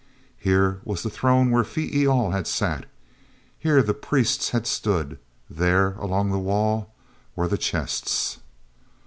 Here was the throne where Phee e al had sat; here the priests had stood; there, along the wall, were the chests.